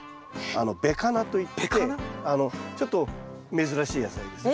ベカナといってちょっと珍しい野菜です。